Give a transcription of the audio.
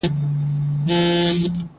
دا منابع د يوه مشخص هدف لپاره کارول کيږي.